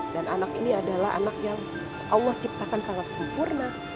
dan anak ini adalah anak yang allah ciptakan sangat sempurna